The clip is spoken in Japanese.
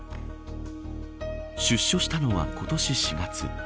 出所したのは今年４月。